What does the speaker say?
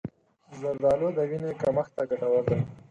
زردآلو د وینې کمښت ته ګټور دي.